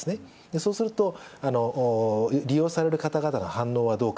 そうすると、利用される方々の反応はどうか。